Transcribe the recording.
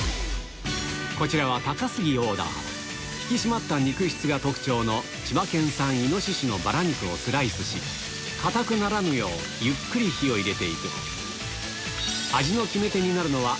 こちらは高杉オーダー引き締まった肉質が特徴の千葉県産イノシシのバラ肉をスライスし硬くならぬようゆっくり火を入れて行く味の決め手になるのは